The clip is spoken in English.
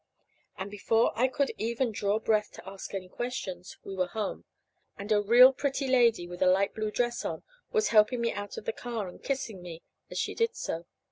And before I could even draw breath to ask any questions, we were home; and a real pretty lady, with a light blue dress on, was helping me out of the car, and kissing me as she did so.